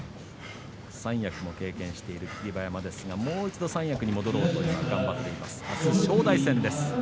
三役も経験している霧馬山ですがもう一度三役に戻ろうと頑張っています。